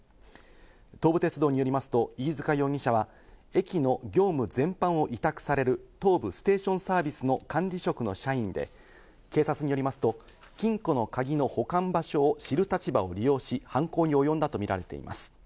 東武鉄道によりますと、飯塚容疑者は駅の業務全般を委託される東武ステーションサービスの管理職の社員で、警察によりますと、金庫の鍵の保管場所を知る立場を利用し、犯行に及んだと見られています。